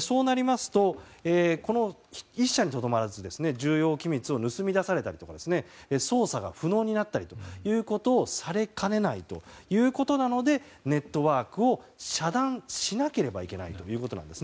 そうなりますとこの１社にとどまらず重要機密を盗み出されたり操作が不能になったりということをされかねないということなのでネットワークを遮断しなければいけないということなんです。